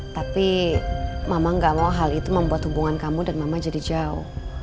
tapi mama gak mau hal itu membuat hubungan kamu dan mama jadi jauh